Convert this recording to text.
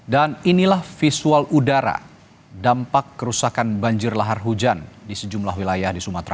dan inilah visual udara dampak kerusakan banjir lahar hujan di sejumlah wilayah di sumatera